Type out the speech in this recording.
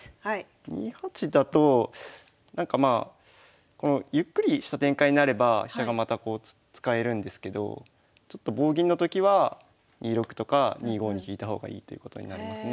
２八だとなんかまあゆっくりした展開になれば飛車がまたこう使えるんですけどちょっと棒銀のときは２六とか２五に引いた方がいいということになりますね。